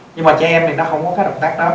nhưng mà chị em thì nó không có cái động tác đó